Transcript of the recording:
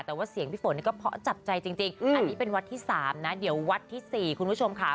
แต่ว่าเสียงพี่ฝนนี่ก็เพราะจับใจจริงอันนี้เป็นวัดที่๓นะเดี๋ยววัดที่๔คุณผู้ชมค่ะ